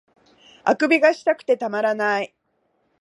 欠伸がしたくてたまらない